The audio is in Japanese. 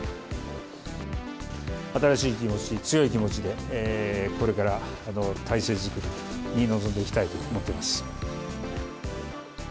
新しい気持ち、強い気持ちで、これから体制作りに臨んでいきたいと思っています。